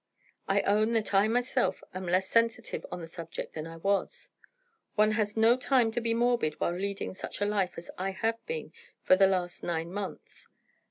I own that I myself am less sensitive on the subject than I was. One has no time to be morbid while leading such a life as I have been for the last nine months.